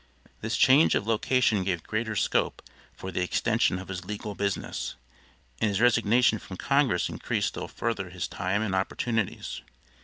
This change of location gave greater scope for the extension of his legal business, and his resignation from Congress increased still further his time and opportunities.